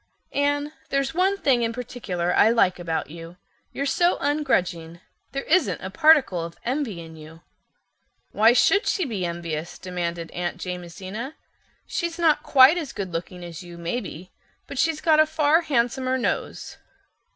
"Anne, there's one thing in particular I like about you—you're so ungrudging. There isn't a particle of envy in you." "Why should she be envious?" demanded Aunt Jamesina. "She's not quite as goodlooking as you, maybe, but she's got a far handsomer nose."